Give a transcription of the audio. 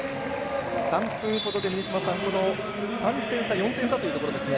３分ほどで３点差、４点差というところですね。